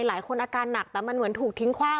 หลายคนอาการหนักแต่มันเหมือนถูกทิ้งคว่าง